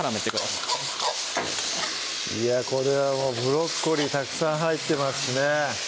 いやこれはブロッコリーたくさん入ってますしね